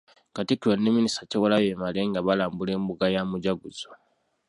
Katikkiro ne Minisita Kyewalabye Male nga balambula embuga ya Mujaguzo.